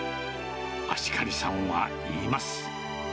芦刈さんは言います。